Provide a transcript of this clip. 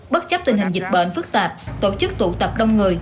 bất chấp tình hình dịch bệnh phức tạp tổ chức tụ tập đông người